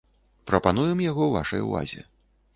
Прапануем яго вашай увазе.